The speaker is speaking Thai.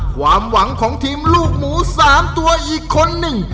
ความหวังของทีมลูกหมู๓ตัวอีกคนหนึ่ง